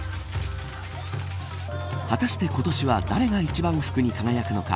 果たして今年は誰が一番福に輝くのか。